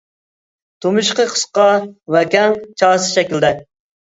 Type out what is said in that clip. تۇمشۇقى قىسقا ۋە كەڭ، چاسا شەكىلدە.